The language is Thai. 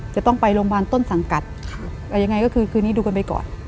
จะต้องไปโรงพยาบาลต้นสังกัดยังไงก็คือคืนนี้ดูกันไปก่อน